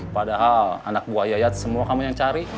padahal anak buah yayat semua kami yang cari